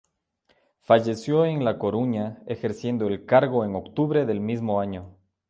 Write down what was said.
Falleció en La Coruña ejerciendo el cargo en octubre del mismo año.